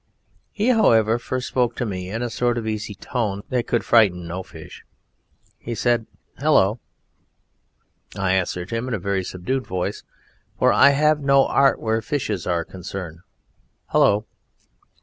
He, however, first spoke to me in a sort of easy tone that could frighten no fish. He said "Hullo!" I answered him in a very subdued voice, for I have no art where fishes are concerned, "Hullo!"